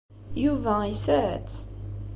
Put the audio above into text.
Yuba yesɛa-tt.